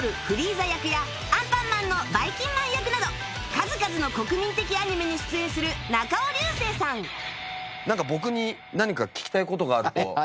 フリーザ役や『アンパンマン』のばいきんまん役など数々の国民的アニメに出演する中尾隆聖さんなんか僕に何か聞きたい事があると。